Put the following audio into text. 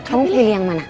kamu pilih yang mana